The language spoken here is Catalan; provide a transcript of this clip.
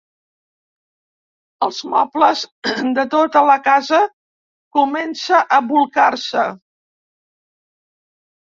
Els mobles de tota la casa comença a bolcar-se.